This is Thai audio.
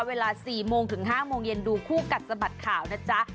เวลา๔โมงถึง๕โมงเย็นดูคู่กัดสะบัดข่าวนะจ๊ะ